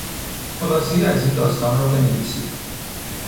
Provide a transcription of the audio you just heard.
خلاصهای از این داستان را بنویسید.